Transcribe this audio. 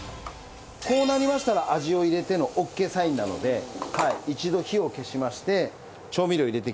こうなりましたら味を入れてのオッケーサインなので一度火を消しまして調味料入れていきますね。